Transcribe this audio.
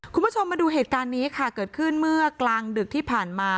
คุณผู้ชมมาดูเหตุการณ์นี้ค่ะเกิดขึ้นเมื่อกลางดึกที่ผ่านมา